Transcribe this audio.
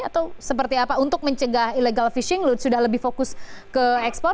atau seperti apa untuk mencegah illegal fishing lood sudah lebih fokus ke ekspor